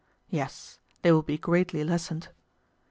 Yes, they will be greatly lessened.